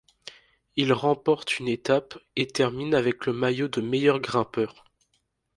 Il remporte une étape et termine avec le maillot de meilleur grimpeur.